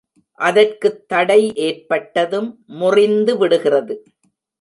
அதற்குத் தடை ஏற்பட்டதும் முறிந்து விடுகிறது.